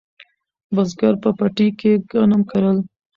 بزګر په پټي کې غنم کرل